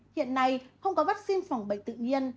hiện nay không có vaccine phòng bệnh tự nhiên